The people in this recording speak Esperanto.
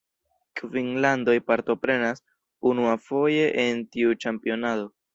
Kvin landoj partoprenas unuafoje en tiu ĉampionado.